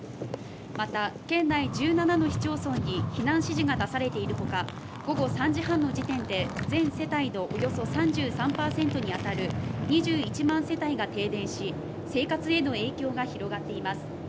また、県内１７の市町村に避難指示が出されているほか午後３時半の時点で全世帯のおよそ３３％に当たる２１万世帯が停電し、生活への影響が広がっています。